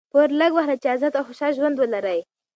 پور لږ واخلئ! چي آزاد او هوسا ژوند ولرئ.